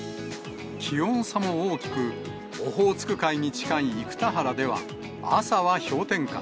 気温差も大きく、オホーツク海に近い生田原では、朝は氷点下、